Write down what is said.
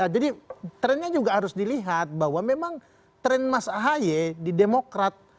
jadi trendnya juga harus dilihat bahwa memang trend mas ahaya di demokrat